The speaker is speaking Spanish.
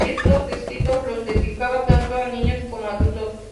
Estos escritos los dedicaba tanto a niños como adultos.